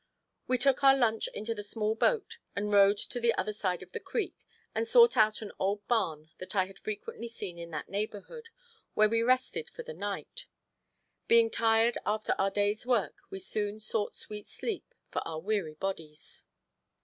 We took our lunch into the small boat and rowed to the other side of the creek, and sought out an old barn that I had frequently seen in that neighborhood, where we rested for the night. Being tired after our day's work we soon sought sweet sleep for our weary bodies.